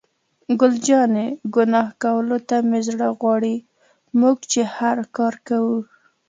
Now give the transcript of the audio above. ګل جانې: ګناه کولو ته مې زړه غواړي، موږ چې هر کار کوو.